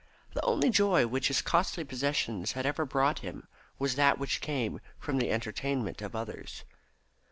The only joy which his costly possessions had ever brought him was that which came from the entertainment of others.